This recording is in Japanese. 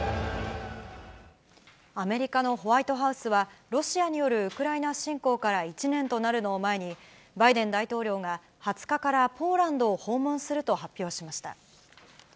アメリカのホワイトハウスは、ロシアによるウクライナ侵攻から１年となるのを前に、バイデン大統領が２０日からポーランドを訪問すると発表しました。